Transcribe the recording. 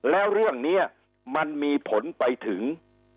แล้วเรื่องนี้มันมีผลไปถึง